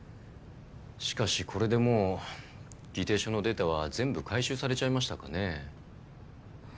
しかしこれでもう議定書のデータは全部回収されちゃいましたかね。